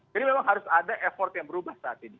jadi memang harus ada effort yang berubah saat ini